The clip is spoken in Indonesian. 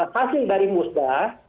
hasil dari musbah